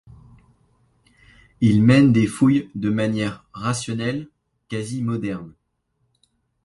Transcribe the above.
Il mène des fouilles de manière rationnelle, quasi moderne.